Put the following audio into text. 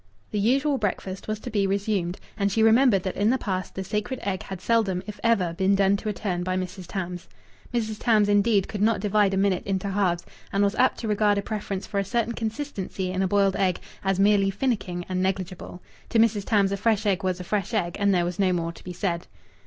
The usual breakfast was to be resumed; and she remembered that in the past the sacred egg had seldom, if ever, been done to a turn by Mrs. Tams. Mrs. Tams, indeed, could not divide a minute into halves, and was apt to regard a preference for a certain consistency in a boiled egg as merely finicking and negligible. To Mrs. Tams a fresh egg was a fresh egg, and there was no more to be said.